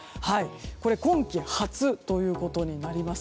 今季初ということになります。